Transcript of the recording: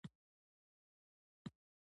سندره د عمر هره مرحله رانغاړي